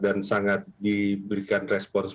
dan sangat diberikan respons